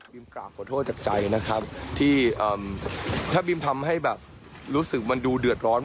กราบขอโทษจากใจนะครับที่ถ้าบีมทำให้แบบรู้สึกมันดูเดือดร้อน